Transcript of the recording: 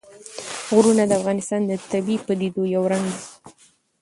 غرونه د افغانستان د طبیعي پدیدو یو رنګ دی.